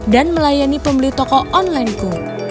dan melayani pembeli toko online ku